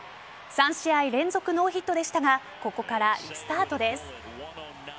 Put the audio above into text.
３試合連続ノーヒットでしたがここからリスタートです。